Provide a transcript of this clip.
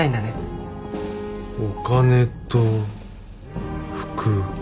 お金と服。